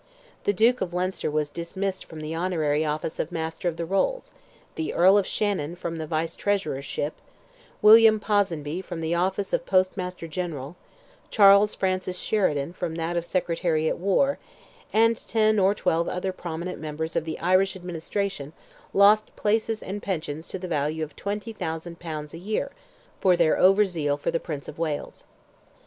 The Duke of Leinster was dismissed from the honorary office of Master of the Rolls; the Earl of Shannon, from the Vice Treasurership; William Ponsonby from the office of Postmaster General; Charles Francis Sheridan, from that of Secretary at War, and ten or twelve other prominent members of the Irish administration lost places and pensions to the value of 20,000 pounds a year, for their over zeal for the Prince of Wales.